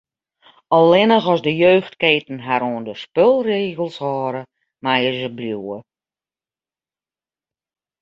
Allinnich as de jeugdketen har oan de spulregels hâlde, meie se bliuwe.